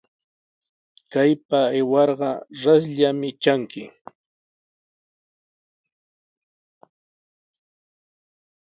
Kaypa aywarqa rasllami tranki.